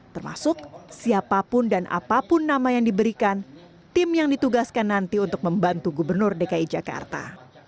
termasuk siapapun dan apapun nama yang diberikan tim yang ditugaskan nanti untuk membantu gubernur dki jakarta